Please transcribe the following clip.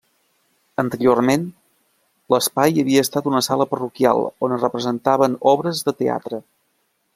Anteriorment, l'espai havia estat una sala parroquial on es representaven obres de teatre.